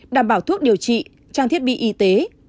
đảm bảo thuốc điều trị trang thiết bị y tế